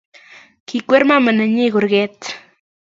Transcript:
Kikwer mama nenyi kurget